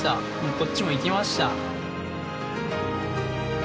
こっちもいきました。